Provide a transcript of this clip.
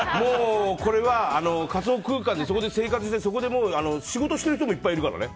仮想空間で、そこで生活してそこで仕事してる人もいっぱいいるからね。